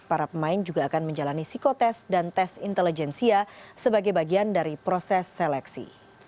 para pemain juga akan menjalani psikotest dan tes intelijensia sebagai bagian dari proses seleksi